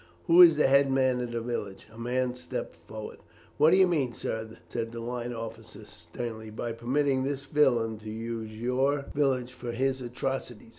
Who is the head man of the village?'" A man stepped forward. "'What do you mean, sir,' said the officer sternly, 'by permitting this villain to use your village for his atrocities?